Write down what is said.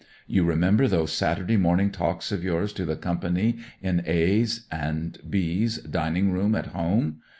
You remember those Saturday morning talks of yours to the Company in • A ' and * B*s ' dining room at home.